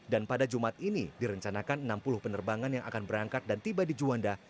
dan pada jumat ini direncanakan enam puluh penerbangan yang akan berangkat dan tiba di juanda